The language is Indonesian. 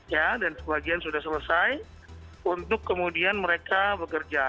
ya dan sebagian sudah selesai untuk kemudian mereka bekerja